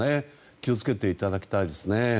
気を付けていただきたいですね。